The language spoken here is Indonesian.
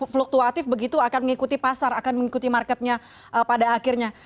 fluktuatif begitu akan mengikuti pasar akan mengikuti marketnya pada akhirnya